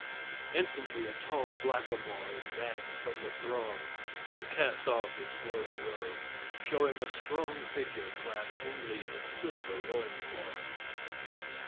Instantly a tall blackamoor advanced from the throng and cast off his flowing robe, showing a strong figure clad only in a silver loincloth.